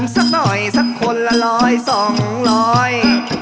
สักหน่อยสักคนละร้อยสองร้อย